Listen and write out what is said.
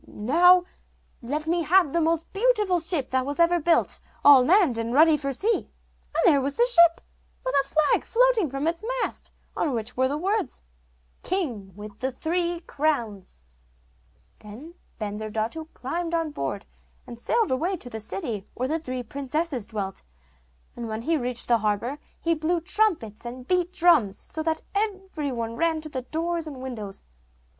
'Now let me have the most beautiful ship that ever was built, all manned and ready for sea.' And there was the ship, with a flag floating from its mast on which were the words, 'King with the three crowns.' Then Bensurdatu climbed on board, and sailed away to the city where the three princesses dwelt; and when he reached the harbour he blew trumpets and beat drums, so that every one ran to the doors and windows.